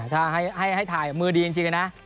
ถ้าให้ถ่ายมือดีจริงนะ